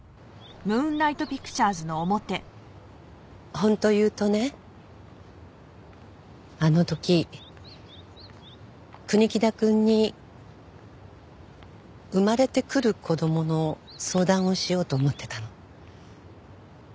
本当言うとねあの時国木田くんに生まれてくる子供の相談をしようと思ってたの。